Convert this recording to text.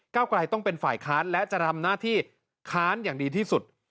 กลายต้องเป็นฝ่ายค้านและจะทำหน้าที่ค้านอย่างดีที่สุด